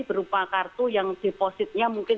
berupa kartu yang depositnya mungkin